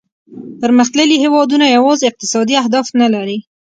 پرمختللي هیوادونه یوازې اقتصادي اهداف نه لري